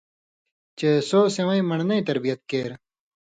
چے سو سِویں من٘ڑنَیں تربیت کېر